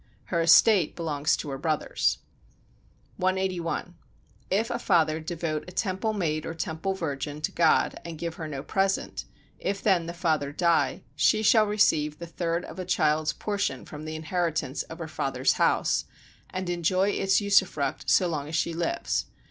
Her estate belongs to her brothers. 181. If a father devote a temple maid or temple virgin to God and give her no present: if then the father die, she shall receive the third of a child's portion from the inheritance of her father's house, and enjoy its usufruct so long as she lives.